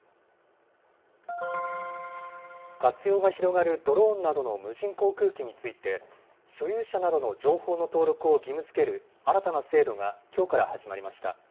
活用が広がるドローンなどの無人航空機について、所有者などの情報の登録を義務づける新たな制度がきょうから始まりました。